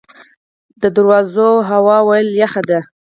د درواز هوا ولې یخه ده؟